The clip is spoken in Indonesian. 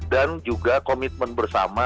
dan juga komitmen bersama